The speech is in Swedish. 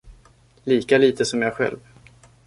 Lika litet som jag själv.